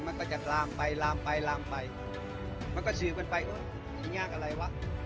มันก็จะลามไปลามไปลามไปมันก็ฉีบกันไปเอ้ยนี่ยากอะไรวะ